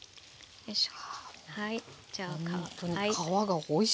よいしょ。